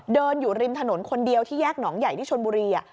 อยู่ริมถนนคนเดียวที่แยกหนองใหญ่ที่ชนบุรี